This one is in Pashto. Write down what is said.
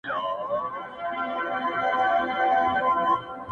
موږ په اصل او نسب سره خپلوان یو-